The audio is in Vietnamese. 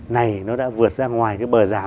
này đã vượt ra ngoài bờ rào